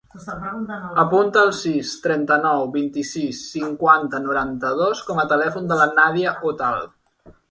Apunta el sis, trenta-nou, vint-i-sis, cinquanta, noranta-dos com a telèfon de la Nàdia Otal.